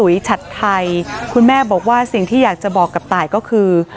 ชัดไทยคุณแม่บอกว่าสิ่งที่อยากจะบอกกับตายก็คือ